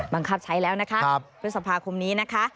บังคับใช้แล้วนะคะพฤษภาคมนี้นะคะ